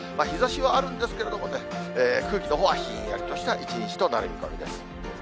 日ざしはあるんですけれどもね、空気のほうはひんやりとした一日となる見込みです。